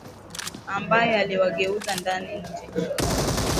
Ambayo iliwageuza ndani nje.